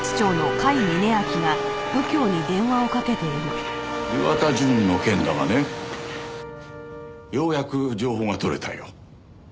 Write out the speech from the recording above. ぷはーっ岩田純の件だがねようやく情報が取れたよ。